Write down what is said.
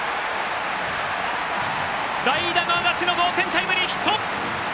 代打の安達の同点タイムリーヒット！